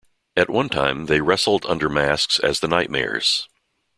At one time, they wrestled under masks as The Nightmares.